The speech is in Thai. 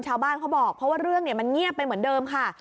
เขาบอกเพราะว่าเรื่องมันเงียบไปเหมือนเดิมค่ะ